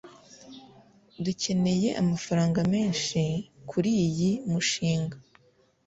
Dukeneye amafaranga menshi kuriyi mushinga.